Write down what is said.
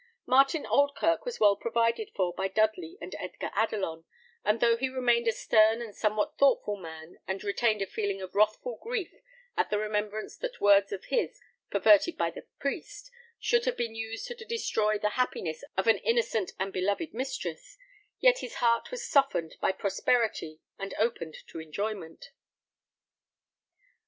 Martin Oldkirk was well provided for by Dudley and Edgar Adelon; and though he remained a stern and somewhat thoughtful man, and retained a feeling of wrathful grief at the remembrance that words of his, perverted by the priest, should have been used to destroy the happiness of an innocent and beloved mistress, yet his heart was softened by prosperity and opened to enjoyment.